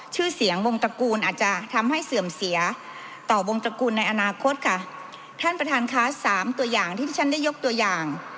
ชื่อเสียงวงตระกูลอาจจะทำให้เสื่อมเสียต่อวงตระกูลในอนาคตค่ะท่านประธานค่ะสามตัวอย่างที่ที่ฉันได้ยกตัวอย่าง